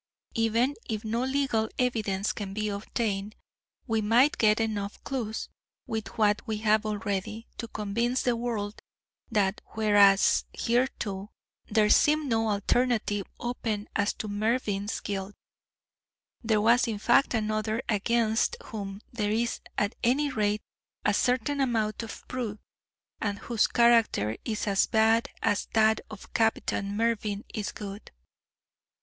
Even if no legal evidence can be obtained, we might get enough clues, with what we have already, to convince the world that whereas hitherto there seemed no alternative open as to Mervyn's guilt, there was in fact another against whom there is at any rate a certain amount of proof, and whose character is as bad as that of Captain Mervyn is good.